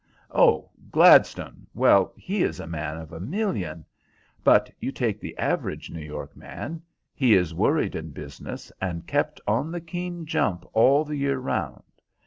"Oh, Gladstone! Well, he is a man of a million. But you take the average New York man. He is worried in business, and kept on the keen jump all the year round.